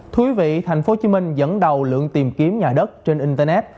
thúy vị tp hcm dẫn đầu lượng tìm kiếm nhà đất trên internet